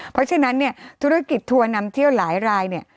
เพราะฉะนั้นเนี่ยธุรกิจทัวร์นำเที่ยวหลายรายเนี่ย